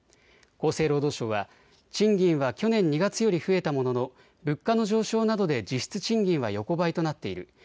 厚生労働省は賃金は去年２月より増えたものの物価の上昇などで実質賃金は横ばいとなっている。